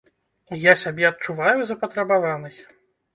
Я сябе адчуваю запатрабаванай.